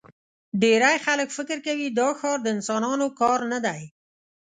ډېری خلک فکر کوي دا ښار د انسانانو کار نه دی.